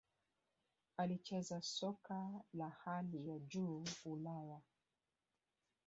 alicheza soka la hali ya Juu Ulaya